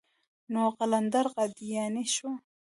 نو قلندر قادياني شو.